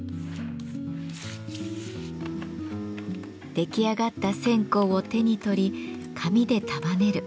出来上がった線香を手に取り紙で束ねる。